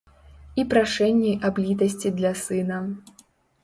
І прашэнні аб літасці для сына.